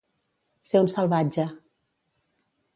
Ser un salvatge.